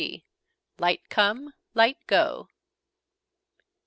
LIGHT COME, LIGHT GO.